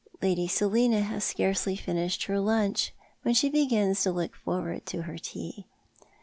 Lady Selina has scarcely finished her lunch when she begins to look forward to her tea.